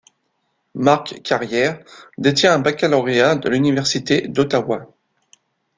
Marc Carrière détient un baccalauréat de l'université d'Ottawa.